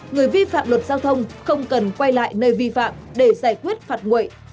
người vi phạm luật giao thông không cần quay lại nơi vi phạm để giải quyết phạt nguội